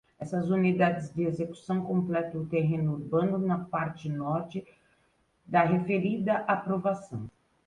Essas unidades de execução completam o terreno urbano na parte norte da referida aprovação.